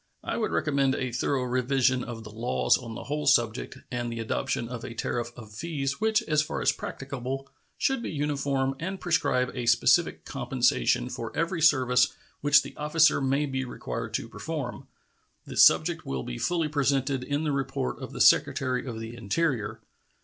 I would recommend a thorough revision of the laws on the whole subject and the adoption of a tariff of fees which, as far as practicable, should be uniform, and prescribe a specific compensation for every service which the officer may be required to perform. This subject will be fully presented in the report of the Secretary of the Interior.